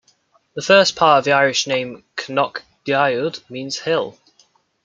The first part of the Irish name "Cnoc Daod" means "hill".